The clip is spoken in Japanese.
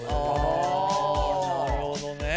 なるほどね。